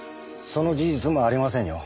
その事実もありませんよ。